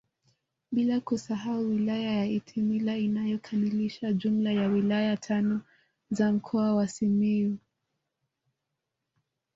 Bila kusahau wilaya ya Itilima inayokamilisha jumla ya wilaya tano za mkoa wa Simiyu